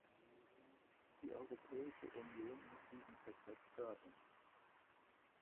Die Europäische Union muss diesen Prozess fördern.